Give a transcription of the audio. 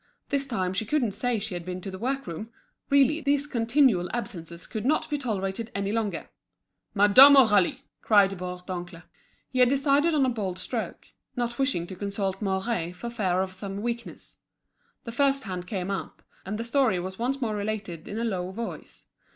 This time she couldn't say she had been to the work room. Really, these continual absences could not be tolerated any longer. "Madame Aurélie!" cried Bourdoncle. He had decided on a bold stroke, not wishing to consult Mouret, for fear of some weakness. The first hand came up, and the story was once more related in a low voice.